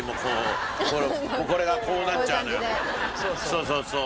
そうそうそう。